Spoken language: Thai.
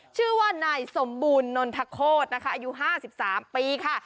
ชื่อว่านายสมบูรณ์นนทโคตรนะคะอายุ๕๓ปีค่ะ